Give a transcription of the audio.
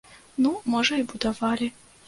Ну, можа і будавалі.